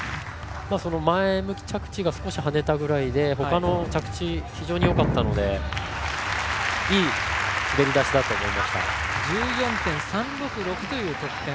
前向き着地が少し跳ねたくらいでほかの着地、非常によかったのでいい滑り出しだったと思いました。１４．３６６という得点。